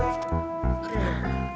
itu kos yang